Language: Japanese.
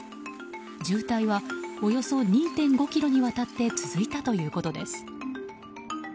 渋滞はおよそ２．５ｋｍにわたって続いたということです。